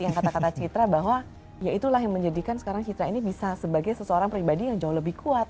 yang kata kata citra bahwa ya itulah yang menjadikan sekarang citra ini bisa sebagai seseorang pribadi yang jauh lebih kuat